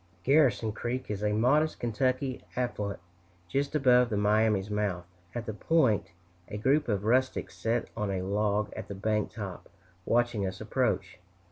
Garrison Creek is a modest Kentucky affluent, just above the Miami's mouth. At the point, a group of rustics sat on a log at the bank top, watching us approach.